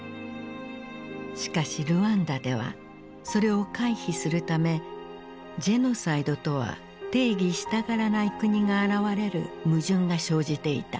しかしルワンダではそれを回避するためジェノサイドとは定義したがらない国が現れる矛盾が生じていた。